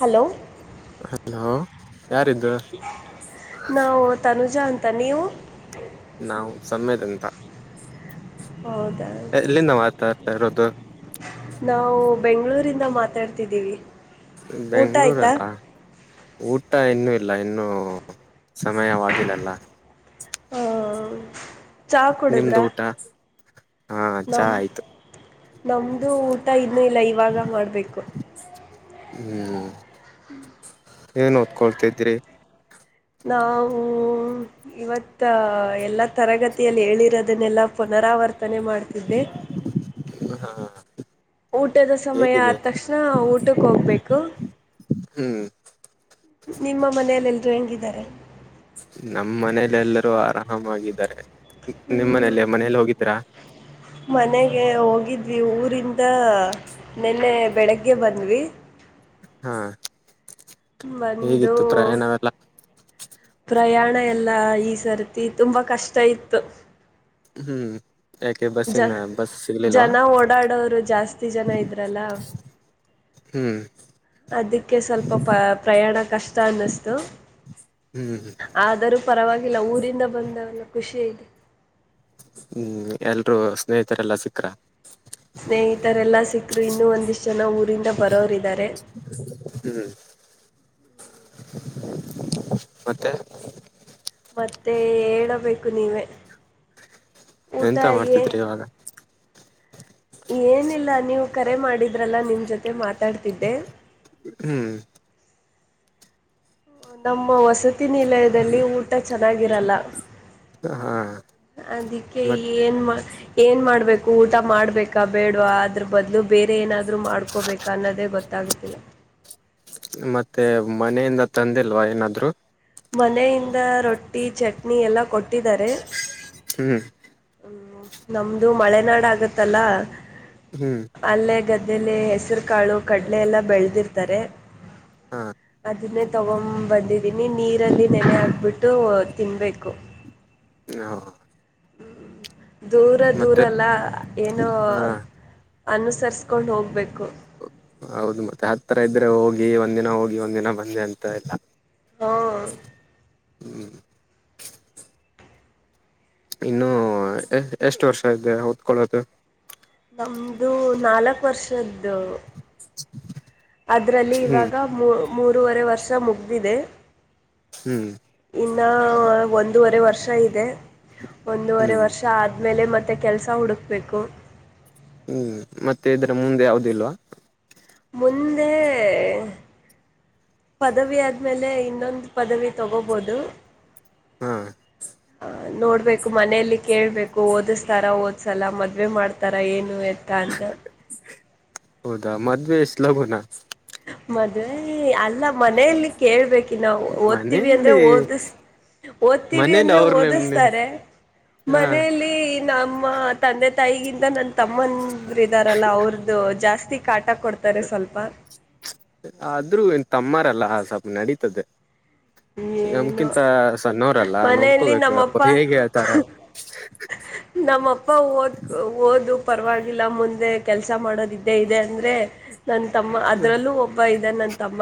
Hello hello ಯಾರಿದ್ದು ನಾವು ತನುಜ ಅಂತ ನೀವು ನಾವು ಸ್ಯಾಮ್ದ ಅಂತ ಹೌದಾ ಎಲ್ಲಿಂದ ಮಾತಾಡ್ತಾ ಇರೋದು ನಾವು ಬೆಂಗಳೂರಿಂದ ಮಾತಾಡ್ತಿದ್ದೀವಿ ಊಟ ಬೆಂಗಳೂರು ಆಯಿತಾ ಅಲ್ಲಾ ಊಟ ಇನ್ನೂ ಇಲ್ಲ ಇನ್ನುೂ ಸಮಯವಾಗಿಲ್ಲಲ್ಲ ಚಹಾ ನಿಮ್ದ ಕುಡಿದ್ರಾ ಊಟ ಹಾ ಚಾ ನಮ್ಮ ಆಯ್ತು ನಮ್ಮದು ಊಟ ಇನ್ನೂ ಇಲ್ಲ ಇವಾಗ ಮಾಡಬೇಕು ಹ್ಮ್ ಏನ್ ಓದಕೊಳ್ತಿದ್ರಿ ನಾವು ಇವತ್ತ ಎಲ್ಲ ತರಗತಿಯಲ್ಲಿ ಹೇಳಿರೋದನ್ನೆಲ್ಲಾ ಪುನರಾವರ್ತಿ ರ್ತನೆ ಮಾಡ್ತಿದ್ದೆ ಹಾ ಹ ಊಟದ ಸಮಯ ಆದ ತಕ್ಷಣ ಊಟಕ್ಕೆ ಹೋಗ್ಬೇಕು ಹ್ಮ್ ನಿಮ್ಮ ಮನಲೆ ಎಲ್ರೂ ಹೆಂಗಿದ್ದಾರೆ ನಮ್ಮ್ ಮನೇಲೆ ಎಲ್ಲರೂ ಆರಾಮಾಗಿದ್ದಾರೆ ನಿಮ್ಮ್ ಹ್ಮ್, ಮನೇೆಯಲ್ಲಿ ಮನೇಲಿ ಹೋಗಿದ್ರಾ. ಮನೆಗೆ ಹೋಗಿದ್ವಿ ಊರಿಂದ ನೆನ್ನೆ ಬೆಳಗ್ಗೆ ಬಂದ್ವಿ. ಹಾ ಬಂದು ಹೇಗಿತ್ತು ಪ್ರಯಾಣವೆಲ್ಲ. ಪ್ರಯಾಣ ಎಲ್ಲ ಈ ಸರ್ತಿ ತುಂಬಾ ಕಷ್ಟ ಇತ್ತು. ಹ್ಮ್ ಯಾಕೆ ಜ ಬಸ್ಸಿನ ಬಸ್ ಸಿಗ್ಲಿಲ್ವಾ ಜನ ಓಡಾಡವರು ಜಾಸ್ತಿ ಜನ ಇದ್ರಲ್ಲ. ಹ್ಮ್ ಅದಕ್ಕೆ ಸ್ವಲ್ಪ ಪ ಪ್ರಯಾಣ ಕಷ್ಟ ಅನ್ನಸ್ತು. ಹ್ಮ್ ಹ್ಮ್ ಆದರೂ ಪರವಾಗಿಲ್ಲ ಊರಿಂದ ಬಂದೆವಲ್ಲ ಖುಷಿ ಐತೆ. ಹ್ಮ್ ಎಲ್ರೂ ಸ್ನೇಹಿತರೆಲ್ಲ ಸಿಕ್ರಾ. ಸ್ನೇಹಿತರೆಲ್ಲ ಸಿಕ್ರು ಇನ್ನು ಒಂದಿಷ್ಟ ಜನ ಊರಿಂದ ಬರೋರಿದ್ದಾರೆ. ಹ್ಮ್ ಮತ್ತೆ ಮತ್ತೆ ಹೇಳಬೇಕು ನೀವೇ. ಊಟ ಎಂತ ಏ ಮಾಡ್ತಿದ್ರಿ ಇವಾಗ ಏನಿಲ್ಲ ನೀವು ಕರೆ ಮಾಡಿದ್ರಲ್ಲ ನಿಮ್ ಜೊತೆ ಮಾತಾಡ್ತಿದ್ದೆ. ಹ್ಮ್ ನಮ್ಮ ವಸತಿ ನಿಲಯದಲ್ಲಿ ಊಟ ಚೆನ್ನಾಗಿರಲ್ಲ. ಹಾ ಅದಿಕ್ಕೆ ಮತ್ ಏನ್ ಮಾಡ ಏನ್ ಮಾಡ್ಬೇಕು ಊಟ ಮಾಡ್ಬೇಕಾ ಬೇಡ್ವಾ ಅದ್ರ ಬದ್ಲು. ಬೇರೆ ಏನಾದರೂ ಮಾಡ್ಕೋಬೇಕಾ ಅನ್ನೋದೇ ಗೊತ್ತಾಗುತ್ತಿಲ್ಲ. ಮತ್ತೆ ಮನೆಯಿಂದ ತಂದಿಲ್ವಾ ಏನಾದ್ರು. ಮನೆಯಿಂದ ರೊಟ್ಟಿ ಚಟ್ನಿ ಎಲ್ಲ ಕೊಟ್ಟಿದ್ದಾರೆ. ಹ್ಮ್ ಹ್ಮ್ ನಮ್ದು ಮಳೆನಾಡ ಆಗತ್ತಲ್ಲ. ಹ್ಮ್ ಅಲ್ಲೇ ಗದ್ದೆಲಿ ಹೆಸರು ಕಾಳು ಕಡಲೆ ಎಲ್ಲಾ ಬೆಳೆದಿರ್ತಾರೆ. ಹ ಅದನ್ನೇ ತಗೊಂಬ ಬಂದಿದ್ದೀನಿ ನೀರಲ್ಲಿ ನೆನೆ ಹಾಕ್ಬಿಟ್ಟು ತಿನ್ಬೇಕು. ಹ ಹ್ಮ ದೂರ ಮತ್ತೆ ದೂರಲ್ಲ ಏನೋ. ಹಾ ಅನುಸರಸಸ್ಕೊಂಡು ಹೋಗ್ಬೇಕು. ಹೌದು ಮತ್ತೆ ಹತ್ರ ಇದ್ರೆ ಹೋಗಿ ಒಂದಿನ ಹೋಗಿ ಒಂದಿನ ಬಂದೆ ಅಂತ ಎಲ್ಲ ಹ್ಮ್ಮ್ ಹ್ಮ್ಮ್ ಇನ್ನು ಎಷ್ಟ ಎಷ್ಟ ವರ್ಷ ಇದೆ ಓದ್ಕೊಳ್ಳೋದು. ನಮ್ದು ನಾಲಕ್ ವರ್ಷದ್ದು. [unintelligible] ಅದ್ರಲ್ಲಿ ಹ್ಮ್ ಇವಾಗ ಮೂರ್ ಮೂರೂರುವರೆ ವರ್ಷ ಮುಗ್ದಿದೆ. ಹ್ಮ್ ಇನ್ನ ಒಂದೂವರೆ ವರ್ಷ ಇದೆ. ಒಂದೂವರೆ ಹ್ಮ್ ವರ್ಷ ಆದ್ಮೇಲೆ ಮತ್ತೆ ಕೆಲಸ ಹುಡುಕ್ಬೇಕು. ಹ್ಮ್ ಮತ್ತೆ ಇದರ ಮುಂದ ಯಾವ್ದ ಇಲ್ವಾ. ಮುಂದೆ ಪದವಿ ಆದ್ಮೇಲೆ ಇನ್ನೊಂದು ಪದವಿ ತಗೋಬಹದು. ಹ [inaudible] ನೋಡಬೇಕು ಮನೆಯಲ್ಲಿ ಕೇಳಬೇಕು ಓದಿಸ್ತಾರ ಓದಸಲ್ಲ ಮದುವೆ ಮಾಡ್ತಾರ ಏನು ಎತ್ತ ಅಂತ [inaudible] ಹೌದಾ ಮದ್ವೆ ಇಷ್ಟ ಲಗುನಾ? [inaudible] ಮದ್ವೆ ಅಲ್ಲ ಮನೇಲಿ ಕೇಳ್ಬೇಕಿ ನಾವು ಓದ್ತೀವಿ ಅಂದ್ರೆ ಮನೇಲಿ ಓದಸ [inaudible] ಓದ್ತೀವಿ ಮನೇಲಿ ಅಂದ್ರೆ ಅವ್ರ ನಿಮ್ನೆ ಓದಿಸ್ತಾರೆ ಹಾ ಮನೆಯಲ್ಲಿ [inaudible] ಈ ನಮ್ಮ ತಂದೆ ತಾಯಿಗಿಂತ ನನ್ನ ತಮ್ಮನ ಇದಾರಲ್ಲ ಅವರದ ಜಾಸ್ತಿ ಕಾಟ ಕೊಡ್ತ [inaudible] ತಡಿ ಸ್ವಲ್ಪ. [inaudible] ಆದ್ರೂ ನಿಮ್ಮ ತಮ್ಮಾರಲ್ಲ ಸ್ವಲ್ಪ ನಡೀತದೆ. [inaudible] ಏನೋ ನಮ್ಕಿಂತ ಸಣ್ಣೋರಲ್ಲ ಮನೆಯಲ್ಲಿ ನೋಡ್ಕೋಬೇಕು ಅವರ ನಮ್ಮಪ್ಪ ಬಗ್ಗೆ ಹೇಗೆ ಆತರ [inaudible] ನಮ್ಮ ಅಪ್ಪ ಓದ್ ಓದು ಪರವಾಗಿಲ್ಲ ಮುಂದೆ ಕೆಲಸಾ ಮಾಡೋದ್ ಇದ್ದೆ ಇದೆ ಅಂದ್ರೆ [inaudible] ನನ್ನ ತಮ್ಮ ಅದ್ರಲ್ಲೂ ಒಬ್ಬ ಇದನ ನನ್ನ ತಮ್ಮ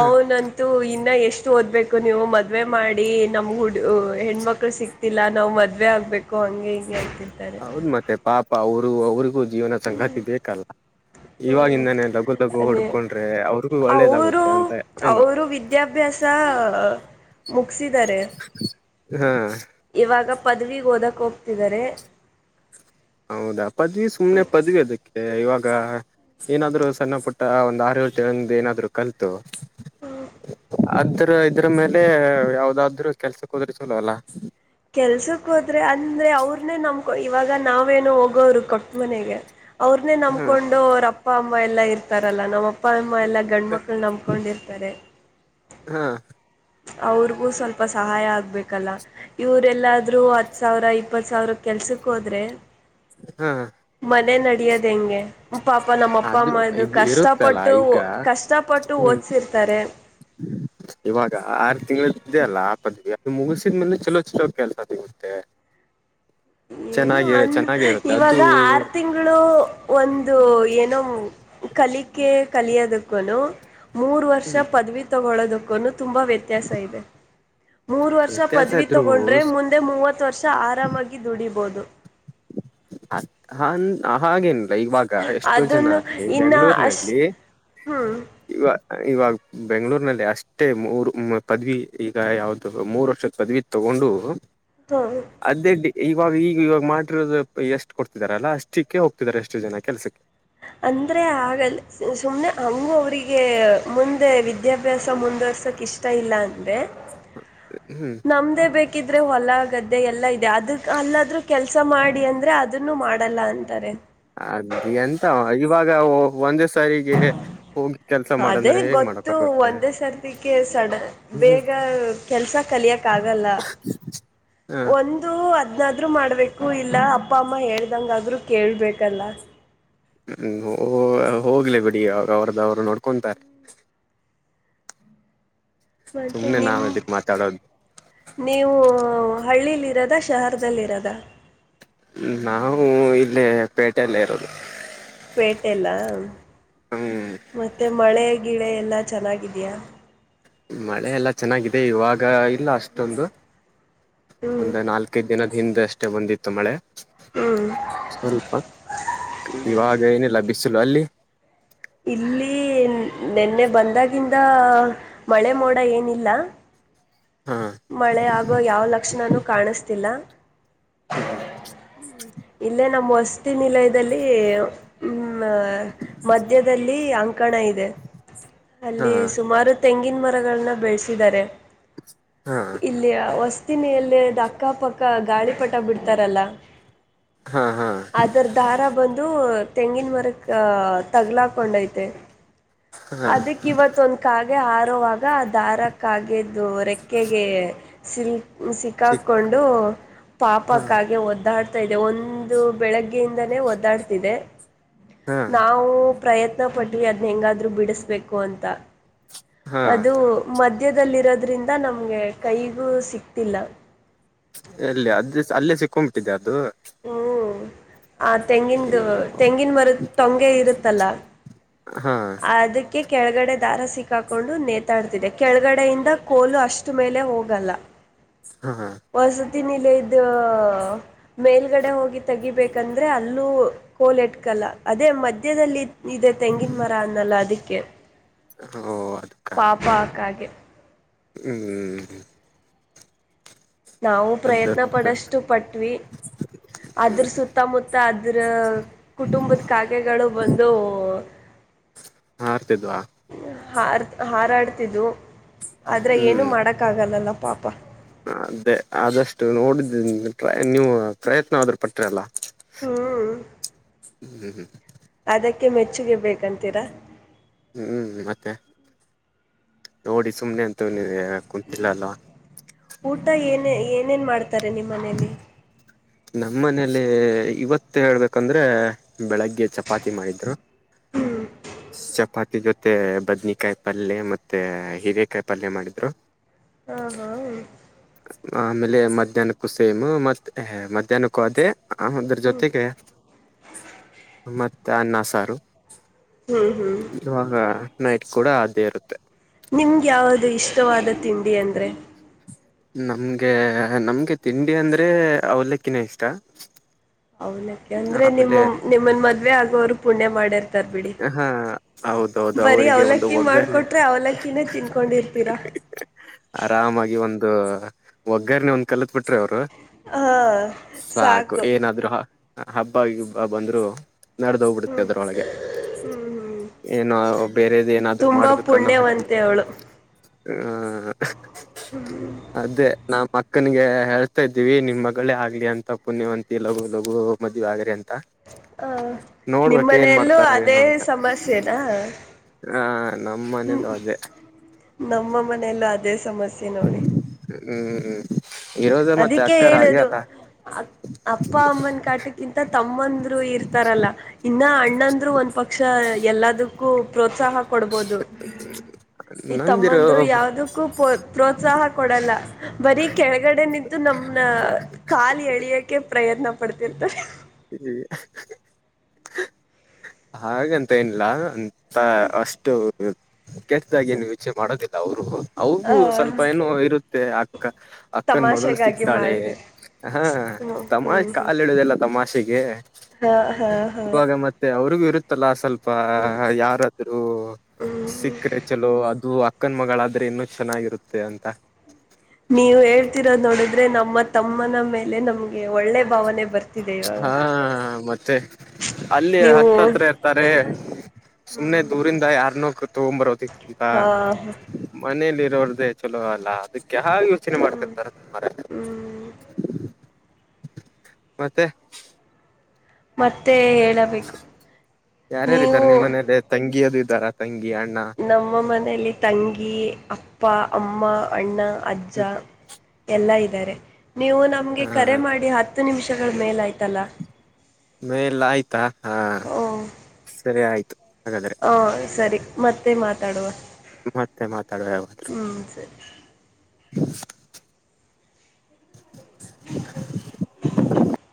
ಅವ ನನ್ನ [inaudible] ಅದು ಇನ್ನ ಎಷ್ಟು ಓದ್ಬೇಕು ನೀವು ಮದುವೆ ಮಾಡಿ ನಮ್ಮ ಹುಡಗರು ಹೆಣ್ಮಕ್ಳು ಸಿಕ್ತಿಲ್ಲ ನಾವು ಮದ್ [inaudible] ಮದುವೆ ಆಗಬೇಕು ಹಂಗೆ ಹೀಗ ಅಂತ [inaudible] ಹೌದ ಮತ್ತೆ ಪಾಪ ಅವರು ಅವ್ರಿಗೂ ಜೀವನ ಸಂಗಾತಿ ಬೇಕಲ್ಲ. [inaudible] ಹ್ಮ್ ಇವಾಗಿಂದಾನೇ ದಗ್ಗು ದಗ್ಗು ಅದೇ ಹುಡ್ಕೊಂಡ್ರೆ ಅವ್ರಿಗೂ ಅವರು ಒಳ್ಳೇದಾಗುತ್ತೆ ಅಂತ ಏನು? [inaudible] ಅವರು ವಿದ್ಯಾಭ್ಯಾಸ ಅ ಮುಗಿಸಿದ್ದಾರೆ. [inaudible] ಹೂ [inaudible] ಇವಾಗ ಪದವಿಗೆ ಓದಕ್ ಹೋಗ್ತಿದ್ದಾರೆ. [inaudible] ಹೌದಾ ಪದ್ವಿ ಸುಮ್ನೆ ಪದ್ವಿ ಅದಕ್ಕೆ ಇವಾಗ? [inaudible] ಏನಾದ್ರು ಸಣ್ಣ ಪುಟ್ಟ ಒಂದ್ ಆರ ಏಳ ತಿಂಗಳ ಏನಾದ್ರು ಕಲ್ತು. [inaudible] ಆತರಾ ಇದ್ರ ಮೇಲೆ ಯಾವದಾದ್ರೂ ಕೆಲಸಕ್ಕ ಹೋದ್ರೆ ಚಲೋ ಅಲ್ಲ. [inaudible] ಕೆಲಸಕ್ಕೋದ್ರೆ ಅಂದ್ರೆ ಅವ್ರನ್ನೇ ನಮ್ಕೊ ಇವಾಗ ನಾವೇನೋ ಹೋಗೋರು ಕೊಟ್ಟ ಮನೆಗೆ. [inaudible] ಅವ್ರನ್ನೇ ಹ್ಮ್ ನಂಬಕೊಂಡು ಅವ್ರ ಅಪ್ಪ ಅಮ್ಮ ಎಲ್ಲಾ ಇರ್ತಾರಲ್ಲ ನಮ್ಮ ಅಪ್ಪ ಅಮ್ಮ ಎಲ್ಲ [inaudible] ಗಂಡ ಮಕ್ಕಳನ ನಂಬಕೊಂಡ ಇರ್ತಾರೆ. [inaudible] ಹ [inaudible] ಅವರಿಗೂ ಸ್ವಲ್ಪ ಸಹಾಯ ಆಗಬೇಕ ಅಲ್ಲ. [inaudible] ಇವರ ಎಲ್ಲಾದ್ರು ಹತ್ತ ಸಾವಿರ ಇಪ್ಪತ್ತ ಸಾವಿರ ಕೆಲಸಕ್ಕೆ ಹೋದರೆ. [inaudible] ಹ [inaudible] ಮನೆ ನಡಿಯೋದ ಹೆಂಗೆ? [inaudible] ಪಾಪ ನಮ್ಮ ಅಪ್ಪ ಆದ್ರೂ ಅಮ್ಮ ಅದು ಇದ್ ಕಷ್ಟ ಇರುತ್ತಲ್ಲ ಪಟ್ಟು ಈಗ ಕಷ್ಟ ಪಟ್ಟು ಹ್ಮ್ ಓದಿಸಿರ್ತಾರೆ. [inaudible] ಇವಾಗ ಆರು ತಿಂಗಳ ಇದ್ದೇ ಅಲ್ಲ ಆ ಪದ್ಯ [inaudible] ನೀವ ಮುಗಿಸಿದ್ಮೇಲೆ ಚಲೋ ಚಲೋ ಕೆಲಸ ಸಿಗುತ್ತೆ. [inaudible] ಏನೋ ಚೆನ್ನಾಗಿರ ಚೆನ್ನಾಗಿರುತ್ತೆ ಅದು [inaudible] ಲೂ ಒಂದು ಏನೋ ಕಲಿಕೆ ಕಲಿಯೋದಕ್ಕನೂ [inaudible] ಮೂರು ವರ್ಷ ಹ್ಮ್ ಪದವಿ ತಗೊಳ್ಳೋದಕ್ಕ ತುಂಬಾ ವ್ಯತ್ಯಾಸ ಇದೆ. [inaudible] ಮೂರು ವರ್ಷ ವ್ಯತ್ಯಾಸ ಪದವಿ ಇದ್ರು ತಗೊಂಡ್ರೆ ಮುಂದೆ ಮೂವತ್ತ ವರ್ಷ ಆರಾಮಾಗಿ ದುಡಿಬೋದು. [inaudible] ಹನ ಹಾಗೇನ್ [inaudible] [unintelligible] ಇವಾಗ ಎಷ್ಟೋ ಜನ ಅದನ್ನು ಅಲ್ಲಿ ಇನ್ನು ಅಷ್ಟು ಬೆಂಗಳೂರಿನಲ್ಲಿ ಹ್ಮ್ [inaudible] ಇವ ಇವಾಗ ಬೆಂಗಳೂರ್ನಲ್ಲಿ ಅಷ್ಟೇ ಮೂರು ಪದವಿ ಈಗ ಯಾವದ ಅದೂ ಮೂರ ವರ್ಷದ ಪದವಿ. [inaudible] ತೋಗೊಂಡರು. [inaudible] ಹ [inaudible] ಅದೇಡಿ ಇವಾಗ ಈಗ ಇವಾಗ ಮಾಡತಿರೋದು ಪ ಎಷ್ಟ ಕೊಡ್ತಿದಾರಲ್ಲಾ ಅಷ್ಟಕ್ಕೆ ಹೋಗ್ತಿದ್ದಾರೆ ಎಷ್ಟು ಜನ ಕೆಲಸಕ್ಕೆ. [inaudible] ಅಂದರೆ ಆಗಲ್ಲ ಸುಮ್ಮನೆ ಹಂಗೂ ಅವರಿಗೆ ಮುಂದೆ ವಿದ್ಯಾಭ್ಯಾಸ ಮುಂದುವರ್ಸೋಕೆ ಇಷ್ಟ [inaudible] ಇಷ್ಟ ಇಲ್ಲ ಅಂದ್ರೆ. [inaudible] [inaudible] ನಮ್ದೇ ಬೇಕಿದ್ರೆ ಹೊಲ ಗದ್ದೆ ಎಲ್ಲ ಇದೆ ಅದಕ್ ಅಲ್ಲಾದ್ರೂ ಕೆಲಸ ಮಾಡಿ ಅಂದ್ರೆ ಅದು. ಅದನ್ನು ಮಾಡಲ್ಲ ಅಂತಾರೆ. ಅದ ಎಂತ ಇವಾಗ ಒಂದೆ ಅದೇ ಹೇಗ್ ಮಾಡಕ್ ಗೊತ್ತು ಆಗುತ್ತೆ ಒಂದೇ ಸರ್ತಿಕೆ ಸಡನ್ ಹ್ಮ್ ಬೇಗ ಕೆಲ್ಸ ಕಲಿಯಕ್ ಆಗಲ್ಲ. ಹ್ಮ ಒಂದು ಅದ್ನಾದ್ರು ಮಾಡ್ಬೇಕು ಇಲ್ಲ ಅಪ್ಪ ಅಮ್ಮ ಹೇಳ್ದಂಗಾದ್ರೂ ಕೇಳಬೇಕಲ್ಲ. ಹ್ಮ ಹೊ ಹೋಗ್ಲಿ ಬಿಡಿ ಅವ್ರ ಅವ್ರದ್ದ ಅವ್ರ ನೋಡ್ಕೊಂತಾರೆ. ಮತ್ತೆ ಸುಮ್ನೆ ನಿಮ್ ನಾವ್ ಅದಕ್ ಮಾತಾಡೋದು ನೀವು ಹಳ್ಳೀಲಿ ಇರೋದ ಶಹರದಲ್ಲಿರೋದ. ನಾವು ಇಲ್ಲೇ ಪೇಟೆಲ್ಲೇ ಇರೋದು. ಪೇಟೆಲ್ಲ ಹ್ಮ್ ಮತ್ತೆ ಮಳೆ ಗಿಳೆ ಎಲ್ಲಾ ಚೆನ್ನಾಗಿದೆಯಾ. ಮಳೆ ಎಲ್ಲ ಚೆನ್ನಾಗಿದೆ ಇವಾಗ ಇಲ್ಲ ಅಷ್ಟೊಂದು ಹ್ಮ್ ಒಂದ ನಾಲ್ಕ ಕೈದ ದಿನದ ಹಿಂದ ಅಷ್ಟೇ ಬಂದಿತ್ತು ಮಳೆ. ಹ್ಮ್ ಸ್ವಲ್ಪ ಇವಾಗ ಏನಿಲ್ಲ ಬಿಸಿಲು ಅಲ್ಲಿ. ಇಲ್ಲಿ ನಿನ್ನೆ ಬಂದಾಗಿಂದ ಮಳೆ ಮೋಡ ಏನಿಲ್ಲ. ಹಾ ಮಳೆ ಆಗುವ ಯಾವ ಲಕ್ಷಣನು ಕಾಣಿಸ್ತಿಲ್ಲ. ಹ್ಮ್ಮ್ ಹ್ಮ್ಮ್ ಇಲ್ಲೇ ನಮ್ಮ ವಸ್ತಿ ನಿಲಯದಲ್ಲಿ. ಮಧ್ಯದಲ್ಲಿ ಅಂಕಣ ಇದೆ ಹಾ ಅಲ್ಲಿ ಸುಮಾರು ತೆಂಗಿನ ಮರಗಳನ್ನ ಬೆಳೆಸಿದ್ದಾರೆ ಹಾ ಇಲ್ಲಿ ಹತ್ತಿನಿಯಲ್ಲಿದ ಅಕ್ಕಪಕ್ಕ ಗಾಳಿ ಪಟ ಬಿಡ್ತಾರಲ್ಲ. ಹಾ ಹಾ ಅದರ ದಾರ ಬಂದು ತೆಂಗಿನ ಮರಕ್ ತಗ್ಲಾಕೊಂಡೈತೆ. ಹಾ ಅದಕ್ ಇವತ್ ಒಂದ. ಕಾಗೆ ಹಾರುವಾಗ ದಾರ ಕಾಗೆದು ರೆಕ್ಕೆಗೆ. ಸಿಲ್ ಸಿಕ್ ಸಿಕ್ಕಾಕೊಂಡು ಪಾಪ ಹಾ ಕಾಗೆ ಒದ್ದಾಡ್ ಒಂದು ಬೆಳಗ್ಗೆಯಿಂದಾನೇ ಒದ್ದಾಡ್ತಿದೆ ಹಾ ನಾವು. ಪ್ರಯತ್ನ ಪಟ್ವಿ ಅದನ್ನ ಹೆಂಗಾದ್ರು ಬಿಡಿಸ್ಬೇಕು ಅಂತ ಹಾ ಅದು. ಮಧ್ಯದಲ್ಲಿರೋದ್ರಿಂದ ನಮಗೆ ಕೈಗೂ ಸಿಕ್ತಿಲ್ಲ. ಎಲ್ಲಿ ಅದ ಅಲ್ಲೇ ಸಿಕ್ಕೊಂಬಿಟ್ಟಿದ್ಯ ಅದು. ಹ್ಮ್ ಆ ತೆಂಗಿಂದು ಅಯ್ಯೋ ತೆಂಗಿನ ಮರದ ಟೊಂಗೆ ಇರುತ್ತಲ್ಲ. ಹಾ ಅದ ಕೆ ಕೆಳಗಡೆ ದಾರ ಸಿಕ್ಕಾಕೊಂಡು ನೇತಾಡ್ತಿದೆ ಕೆಳಗಡೆಯಿಂದ ಕೋಲು ಅಷ್ಟ ಮೇಲೆ ಹೋಗಲ್ಲ. ಹಾ ಹಾ ವಸತಿ ನಿಲಯದು. ಮೇಲ್ಗಡೆ ಹೋಗಿ ತಗಿಬೇಕಂದ್ರೆ ಅಲ್ಲೂ ಕೋಲ್ ಎಟ್ಕಲ್ಲ ಅದೇ ಮಧ್ಯದಲ್ಲಿ ಇದೆ ತೆಂಗಿನ ಮರ ಅನ್ನಲ್ಲ ಅದಕ್ಕೆ. ಹೂಓ ಅದು. ಪಾಪ ಆ ಕಾಗೆ. ಹ್ಮ್ ಮ್ ನಾವು ಅದ ಪ್ರಯತ್ನ ಪಡಷ್ಟು ಪಟ್ವಿ. ಅದ್ರ ಸುತ್ತಮುತ್ತ ಅದ್ರ ಕುಟುಂಬದ ಕಾಗೆಗಳು ಬಂದು. ಹಾರ್ತಿದ್ವಾ. ಹಾರ್ ಹಾರಾಡ್ತಿದ್ದು ಆದ್ರೆ ಏನು ಹ್ಮ್ ಮಾಡಕ್ಕ ಆಗಲ್ಲಲ್ಲ ಪಾಪ. ಅದೇ ಆದಷ್ಟು ನೋಡಿದ್ದ ನೀವು ಪ್ರಯತ್ನ ಆದ್ರೂ ಪಟ್ರ ಅಲ್ಲ. ಹ್ಮ್ ಹ್ಮ್ [unintelligible] ಅದಕ್ಕೆ ಮೆಚ್ಚುಗೆ ಬೇಕಂತೀರಾ ಹ್ಮ್ ಮತ್ತೆ ನೋಡಿ ಸುಮ್ನೆ ಅಂತ [unintelligible] ನೀ ಕುಂತಿಲ್ಲ. ಊಟ ಏನ- ಏನೇನ್ ಮಾಡ್ತಾರೆ ನಿಮ್ಮ ಮನೇಲಿ? ನಮ್ಮ ಮನೇಲಿ ಇವತ್ತು ಹೇಳ್ಬೇಕಂದ್ರೆ ಬೆಳಗ್ಗೆ ಚಪಾತಿ ಮಾಡಿದ್ರು. ಚಪಾತಿ ಜೊತೆ ಬದ್ನಕಾಯಿ ಪಲ್ಯ ಮತ್ತೆ ಹೀರೆೇಕಾಯಿ ಪಲ್ಯ ಮಾಡಿದ್ರು. ಹಾ ಹಾ ಆಮೇಲೆ ಮಧ್ಯಾಹ್ನಕ್ಕೂ ಸೇಮ್ ಮತ್ ಮಧ್ಯಾಹ್ನಕ್ಕೂ ಅದೇ ಆಮೇಲೆ ಅದ್ರ ಜೊತೆಗೆ ಮತ್ತೆ ಅನ್ನ ಸಾರು. ಹ್ಮ್ ಹ್ಮ್ ಇವಾಗ ನೈಟ್ ಕೂಡ ಅದೇ ಇರುತ್ತೆ. ನಿಮ್ಗೆ ಯಾವದು ಇಷ್ಟವಾದ ತಿಂಡಿ ಅಂದ್ರೆ? ನಮ್ಗೆ ನಮ್ಗೆ ತಿಂಡಿ ಅಂದ್ರೆ ಅವಲಕ್ಕಿನೇ ಇಷ್ಟ ಅವನಕ ಅಂದ್ರೆ ಆಮೇಲೆ ನಿಮ್ಮ- ನಿಮ್ಮನ್ ಮದ್ವೆ ಆಗೋವರು ಪುಣ್ಯ ಮಾಡಿರ್ತಾರೆ. ಬಿಡಿ ಹಾ ಹೌದೌದು ಬರೀ ಅವರಿಗೆ ಒಂದು ಅವ್ಲಕ್ಕಿ ಒಗ್ಗರಣೆ ಮಾಡ್ಕೊಟ್ರೆ ಅವ್ಲಕ್ಕಿನೇ ತಿನ್ಕೊಂಡಿರ್ತೀರಾ ಆರಾಮಾಗಿ ಒಂದು ಒಗ್ಗರಣನೆೆ ಒಂದು. ಕಲತ್ ಬಿಟ್ರಿ ಅವರು ಹಾಂ ಸಾಕು ಏನಾದ್ರು ಹಬ್ಬ ಗಿಬ್ಬ ಬಂದ್ರು ಹ್ಞೂ ನಡೆದೋಗ್ಬಿಡತ್ತೆ ಅದ್ರೊಳಗೆ ಏನ ಬೇರೆದೆನಾದ್ರು ತುಂಬ ಮಾಡ್ಬೇಕನ್ನೋ ಹಾಕ ಪುಣ್ಯವಂತೆ ಅವಳು [unintelligible] ಹ್ಮ [unintelligible] ಅದೇ ನಾಮಕ್ಕನಿಗೆ ಹೇಳ್ತಾ ಇದ್ದೀವಿ ನಿಮ್ ಮಗಳೇ ಆಗ್ಲಿ ಅಂತ ಪುಣ್ಯವಂತಿ ಲಗು ಲಗು ಮದುವೆ ಆದ್ರೆ ಅಂತ. ಹ ನೋಡ್ಬೇಕ ಏನ್ ನಿಮ್ಮನೆಯಲ್ಲೂ ಮಾಡ್ತಾರೋ ಅಲ್ಲೂ ಅದೇ ಏನೋ ಅಂತ ಸಮಸ್ಯೆನಾ ಹ ನಮ್ಮ್ ಹ್ಮ ಮನೇಲು ಅದೇ ನಮ್ಮ ಮನೆಯಲ್ಲೂ ಅದೇ ಸಮಸ್ಯೆ ನೋಡಿ ಹ್ಮ್ ಹ್ಮ್ [unintelligible] ಇರೋದ ಮತ್ತೆ ಅದಕ್ಕೆೇ ಅಕ್ಕರ ಹಾಗೆ ಅಲ್ಲ ಹೇಳುದುಆಗ್ ಅಪ್ಪ ಅಮ್ಮನ ಕಾಟಕ್ಕಿಂತ ತಮ್ಮಂದ್ರು ಇರ್ತಾರಲ್ಲ ಇನ್ ಇನ್ನ ಅಣ್ಣಂದ್ರು ಒಂದ್ ಪಕ್ಷ ಎಲ್ಲದಕ್ಕೂ ಪ್ರೋತ್ಸಾಹ ಕೊಡ್ಬಹದು ಈ ನಂದಿರೋ ತಮ್ಮಂದ್ರು ಯಾವ ಯಾವುದಕ್ಕೂ ಪ್ರೋತ್ಸಾಹ ಕೊಡಲ್ಲ ಬರೀ ಕೆಳ ಈಗಡೆ ನಿಂತು ನಮ್ನ ಕಾಲ್ ಎಳಿಯಕ್ಕೆೆ ಪ್ರಯತ್ನ ಪಡ್ತಿರ್ತಾರೆ ಇದಿ ಹಾಗಂತ ಏನಿಲ್ಲ ಅಂತ ಅಷ್ಟು ಕೆಟ್ಟ್ದಾಗಿ ಏನು ಯೋಚ್ನೆ ಮಾಡೋದಿಲ್ಲ ಅವರು ಆ ಅವ್ರಿಗೂ ಸ್ವಲ್ಪ ಏನು ಇರುತ್ತೆ ಅಕ್ಕ ಅಕ್ಕನ್ ಮಗಳು ತಮಾಷೆಗಾಗಿ ಸಿಕ್ತಾಳೆ ಮಾಡ್ತೀರಿ ಹ ಹ್ಮ ಹ್ಮ್ ತಮಾಷೆ ಹ್ಮ್ ಕಲಳೆಯೋದೆಲಾ ತಮಾಷೆಗೆ ಹ ಹಾ ಹಾ ಹಾ ಇವಾಗ ಮತ್ತೆ ಅವ್ರರಿಗೂ ಇರುತ್ತಲ್ಲ [unintelligible] ಯಾರಾದ್ರೂ ಹ್ಮ್ ಸಿಕ್ಕರೆೆ ಚಲೋ ಅದು [unintelligible] ಅಕ್ಕನ್ ಮಗಳಾದ್ರೆ ಇನ್ನು ಚೆನ್ನಾಗಿರುತ್ತೆ ಅಂತ. ನೀವು ಹೇಳ್ತಿರೋದು ನೋಡಿದ್ರೆ ನಮ್ಮ ತಮ್ಮನ ಮೇಲೆ ನಮ್ಗೆ ಒಳ್ಳೆ ಭಾವನೆ ಬರ್ತ ಹಾ ಮತ್ತೆ ಅಲ್ಲಿ ನೀವು ಹತ್ತತ್ರ ತಾರೆ ಸುಮ್ನೆ ಹ್ಮ್ ಹ್ಮ್ ದೂರಿಂದ ಯಾರ್ನೋ ಕ ತಗೊಂಡ್ ಬರೋದಕ್ಕಿಂತ ಹಾ ಹಾ ಮನೇಲಿ ಇರೋರ್ದೇ ಚಲೋ ಅಲ್ಲ ಅದಕ್ಕೆ ಹಾಗೆ ಯೋಚನೆ ಮಾಡ್ತಿರ್ತಾರೆ [unintelligible] ಹ್ಮ ಮತ್ತೆ ಮತ್ತೆ ಹೇಳಬೇಕು ಯಾರ್ಯಾರ ನೀವು ಇದ್ದಾರೆ ನಿಮ್ ಮನೇಲಿ ತಂಗಿಯದು ಇದ್ದಾರಾ ತಂಗಿ ಅಣ್ಣಾ ನಮ್ಮ ಮನೆಯಲ್ಲಿ ತಂಗಿ, ಅಪ್ಪ, ಅಮ್ಮ, ಅಣ್ಣ, ಅಜ್ಜ ಎಲ್ಲಾ ಇದ್ದಾರೆ ನೀವು ನಮ್ಗೆ ಹಾ ಕರೆ ಮಾಡಿ ಹತ್ತು ನಿಮಿಷಗಳ ಮೇಲ ಆಯ್ತಲ್ಲಾ ಮೇಲ್ಲ ಆಯ್ತಾ ಹಾ ಓ ಸರಿ ಆಯ್ತು ಹಾಗಾದ್ರೆ ಹಾಂ ಸರಿ ಮತ್ತೆ ಮಾತಾಡುವಾ ಮತ್ತೆ ಮಾತಾಡುವ ಯಾವುದಾದ್ರೂ ಹ್ಞ ಸರಿ [unintelligible]